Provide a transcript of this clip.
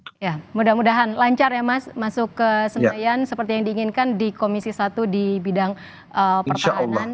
oke ya mudah mudahan lancar ya mas masuk ke senayan seperti yang diinginkan di komisi satu di bidang pertahanan